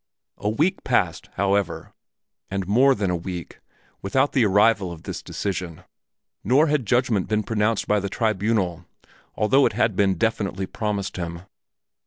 A week passed, however, and more than a week, without the arrival of this decision; nor had judgment been pronounced by the Tribunal, although it had been definitely promised him.